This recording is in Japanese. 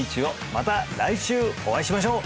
また来週お会いしましょう！